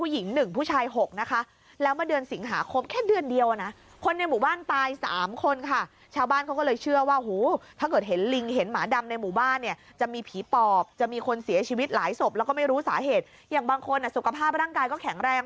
อย่างบางคนสุขภาพร่างกายก็แข็งแรง